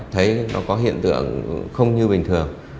thấy nó có hiện tượng không như bình thường